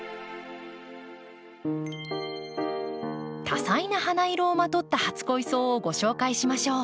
多彩な花色をまとった初恋草をご紹介しましょう。